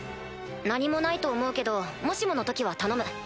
何もないと思うけどもしもの時は頼む。